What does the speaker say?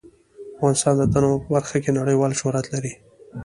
افغانستان د تنوع په برخه کې نړیوال شهرت لري.